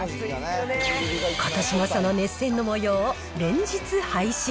ことしもその熱戦のもようを連日配信。